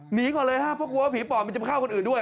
หนีก่อนเลยฮะเพราะกลัวว่าผีปอบมันจะไปฆ่าคนอื่นด้วย